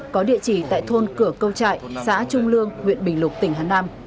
có địa chỉ tại thôn cửa câu trại xã trung lương huyện bình lục tỉnh hà nam